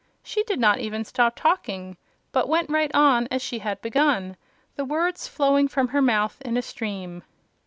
She did not even stop talking, but went right on as she had begun, the words flowing from her mouth in a stream.